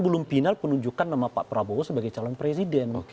belum final penunjukan nama pak prabowo sebagai calon presiden